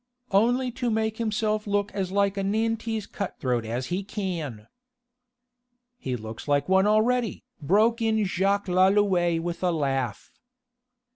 "Only to make himself look as like a Nantese cut throat as he can...." "He looks like one already," broke in Jacques Lalouët with a laugh.